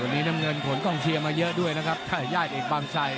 วันนี้น้ำเงินผลกล้องเชียร์มาเยอะด้วยนะครับ